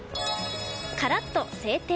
カラッと晴天。